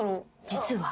実は。